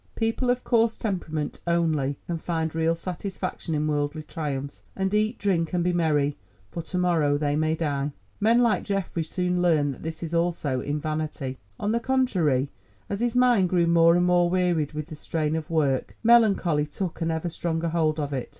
People of coarse temperament only can find real satisfaction in worldly triumphs, and eat, drink, and be merry, for to morrow they die! Men like Geoffrey soon learn that this also is vanity. On the contrary, as his mind grew more and more wearied with the strain of work, melancholy took an ever stronger hold of it.